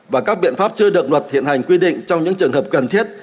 và các biện pháp chưa được luật hiện hành quy định trong những trường hợp cần thiết